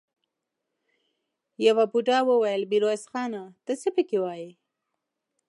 يوه بوډا وويل: ميرويس خانه! ته څه پکې وايې؟